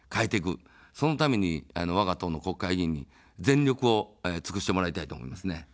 そのために、わが党の国会議員に全力を尽くしてもらいたいと思いますね。